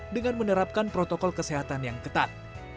dengan menerapkan protokol kesehatan yang ketat